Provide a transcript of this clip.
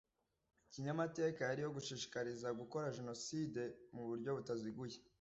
kinyamateka yari iyo gushishikariza gukora jenoside mu buryo butaziguye.